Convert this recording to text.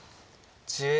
１０秒。